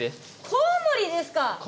コウモリです。